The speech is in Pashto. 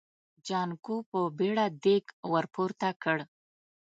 جانکو په بيړه دېګ ور پورته کړ.